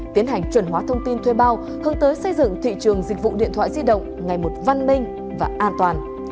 tiến hành chuẩn hóa thông tin thuê bao hướng tới xây dựng thị trường dịch vụ điện thoại di động ngày một văn minh và an toàn